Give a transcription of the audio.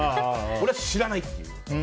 俺は知らないって言う。